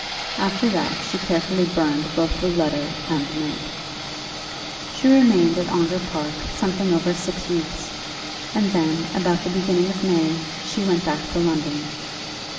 After that she carefully burned both the letter and the note. She remained at Ongar Park something over six weeks, and then, about the beginning of May, she went back to London.